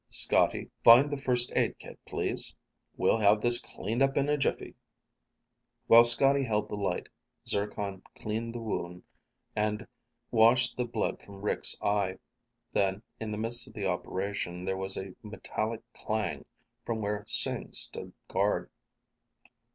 Scotty, find the first aid kit, please? We'll have this cleaned up in a jiffy." While Scotty held the light, Zircon cleaned the wound and washed the blood from Rick's eye. Then, in the midst of the operation, there was a metallic clang from where Sing stood guard.